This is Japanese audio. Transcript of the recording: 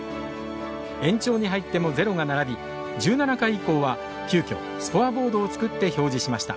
延長に入ってもゼロが並び１７回以降は急きょスコアボードを作って表示しました。